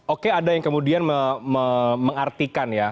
oke ada yang kemudian mengartikan ya